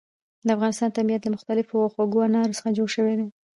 د افغانستان طبیعت له مختلفو او خوږو انارو څخه جوړ شوی دی.